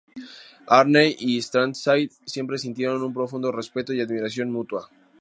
Arlen y Streisand siempre sintieron un profundo respeto y admiración mutua.